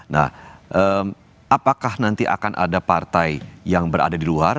nah apakah nanti akan ada partai yang berada di luar